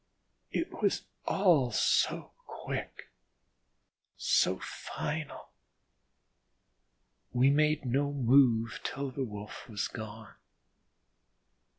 It was all so quick, so final. We made no move till the Wolf was gone.